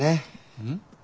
うん？